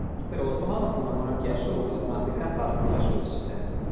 L'Impero Ottomano fu una monarchia assoluta durante gran parte della sua esistenza.